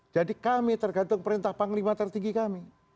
jadi kami tergantung perintah panglima tertinggi kami